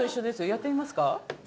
やってみますか？